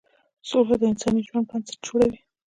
سوله د انساني ژوند بنسټ جوړوي.